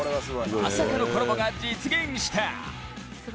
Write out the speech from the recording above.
まさかのコラボが実現した。